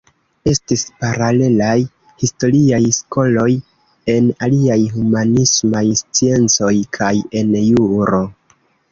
Estis paralelaj historiaj skoloj en aliaj humanismaj sciencoj kaj en juro.